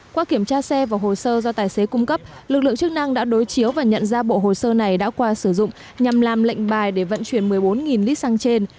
qua kiểm tra xe và hồ sơ do tài xế cung cấp lực lượng chức năng đã đối chiếu và nhận ra bộ hồ sơ này đã qua sử dụng nhằm làm lệnh bài để vận chuyển một mươi bốn lít xăng trên